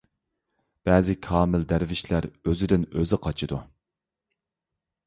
بەزى كامىل دەرۋىشلەر ئۆزىدىن ئۆزى قاچىدۇ.